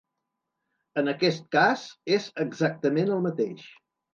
En aquest cas és exactament el mateix.